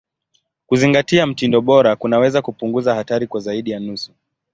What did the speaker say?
Kuzingatia mtindo bora kunaweza kupunguza hatari kwa zaidi ya nusu.